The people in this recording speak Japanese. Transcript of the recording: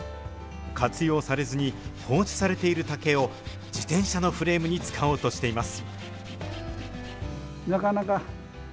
活用されずに放置されている竹を、自転車のフレームに使おうとしています。